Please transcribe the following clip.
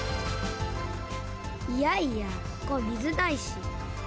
いやいやここ水ないし。